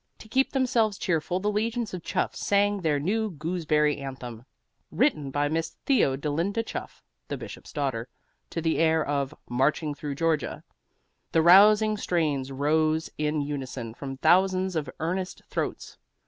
To keep themselves cheerful the legions of Chuff sang their new Gooseberry Anthem, written by Miss Theodolinda Chuff (the Bishop's daughter) to the air of "Marching Through Georgia." The rousing strains rose in unison from thousands of earnest throats.